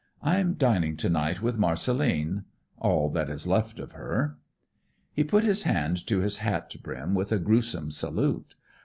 I'm dining to night with Marcelline all that is left of her!' "He put his hand to his hat brim with a grewsome salute.